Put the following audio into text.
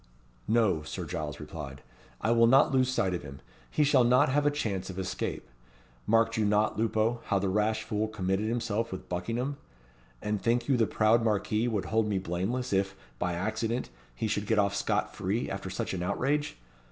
"No," Sir Giles replied, "I will not lose sight of him. He shall not have a chance of escape. Marked you not, Lupo, how the rash fool committed himself with Buckingham? And think you the proud Marquis would hold me blameless, if, by accident, he should get off scot free, after such an outrage?